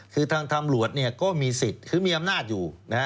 คือทางตำรวจเนี่ยก็มีสิทธิ์คือมีอำนาจอยู่